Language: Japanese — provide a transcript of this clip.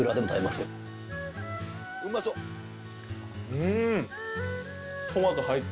うん！